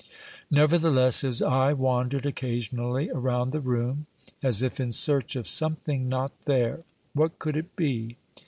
Nevertheless, his eye wandered occasionally around the room, as if in search of something not there. What could it be?